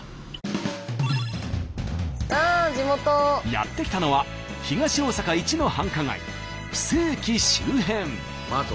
やって来たのは東大阪一の繁華街布施駅周辺。